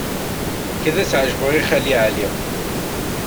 Nekk ad as-ɛejbeɣ i Xali Ɛli.